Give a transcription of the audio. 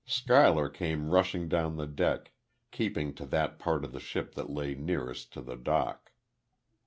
Schuyler came rushing down the deck, keeping to that part of the ship that lay nearest to the dock.